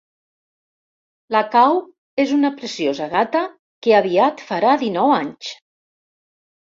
La Cow és una preciosa gata que aviat farà dinou anys.